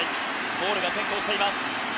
ボールが先行しています。